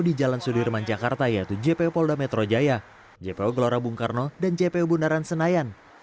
di jalan sudirman jakarta yaitu jpo polda metro jaya jpo gelora bung karno dan jpo bundaran senayan